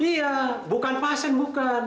iya bukan pasien bukan